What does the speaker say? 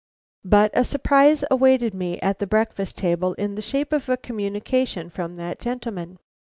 But a surprise awaited me at the breakfast table in the shape of a communication from that gentleman.